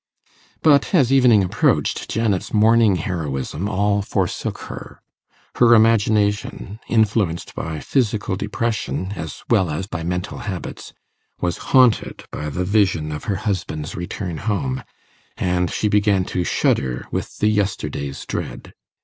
But as evening approached, Janet's morning heroism all forsook her: her imagination influenced by physical depression as well as by mental habits, was haunted by the vision of her husband's return home, and she began to shudder with the yesterday's dread.